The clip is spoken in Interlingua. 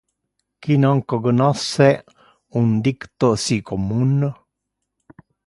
Qui non cognosce un dicto si commun?